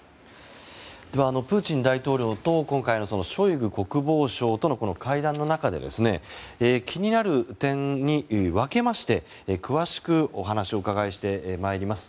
ではプーチン大統領とショイグ国防相との会談の中で気になる点に分けまして詳しくお話を伺ってまいります。